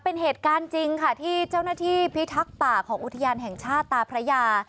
เป็นเหตุการณ์จริงค่ะที่เจ้าหน้าที่พิทักษ์ป่าของอุทยานแห่งชาติตาพระยา